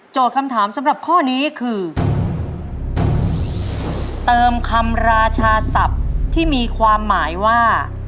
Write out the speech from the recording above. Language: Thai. คำถามสำหรับข้อนี้คือเติมคำราชาศัพท์ที่มีความหมายว่า